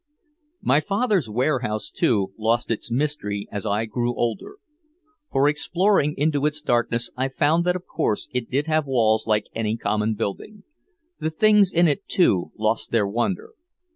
My father's warehouse, too, lost its mystery as I grew older. For exploring into its darkness I found that of course it did have walls like any common building. The things in it, too, lost their wonder.